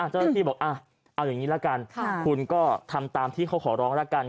เจ้าหน้าที่บอกเอาอย่างนี้ละกันคุณก็ทำตามที่เขาขอร้องแล้วกัน